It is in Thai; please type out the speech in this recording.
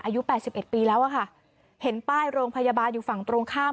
อายุแปดสิบเอ็ดปีแล้วอะค่ะเห็นป้ายโรงพยาบาลอยู่ฝั่งตรงข้าม